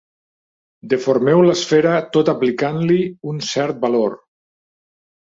Deformeu l'esfera tot aplicant-li un cert valor.